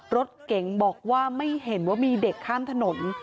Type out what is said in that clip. รถเก๋งบอกว่าไม่เห็นว่ามีเด็กข้ามถนน